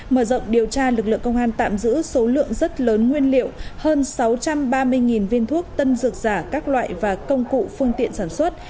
mở rộng điều tra lực lượng công an tạm giữ số lượng rất lớn nguyên liệu hơn sáu trăm ba mươi viên thuốc tân dược giả các loại và công cụ phương tiện sản xuất